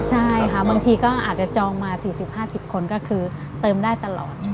ใช่ค่ะบางทีก็อาจจะจองมา๔๐๕๐คนก็คือเติมได้ตลอด